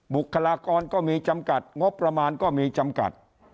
บุคลากรก็มีจำกัดงบประมาณก็มีจำกัด